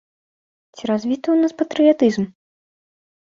Ці развіты ў нас патрыятызм?